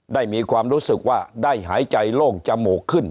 มีความรู้สึกว่าได้หายใจโล่งจมูกขึ้น